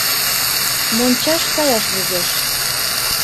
Мончаш каяш возеш...